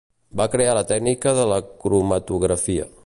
Va crear la tècnica de la cromatografia.